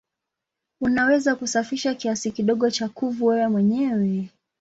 Unaweza kusafisha kiasi kidogo cha kuvu wewe mwenyewe.